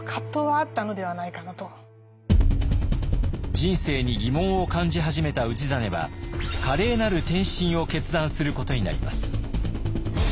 人生に疑問を感じ始めた氏真は華麗なる転身を決断することになります。